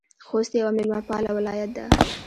خوست یو میلمه پاله ولایت ده